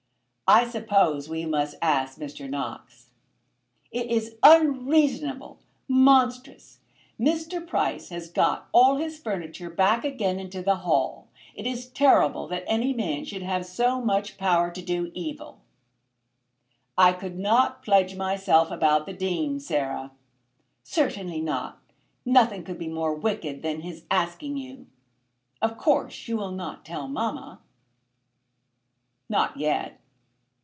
"I suppose we must ask Mr. Knox." "It is unreasonable; monstrous! Mr. Price has got all his furniture back again into the Hall! It is terrible that any man should have so much power to do evil." "I could not pledge myself about the Dean, Sarah." "Certainly not. Nothing could be more wicked than his asking you. Of course, you will not tell mamma." "Not yet."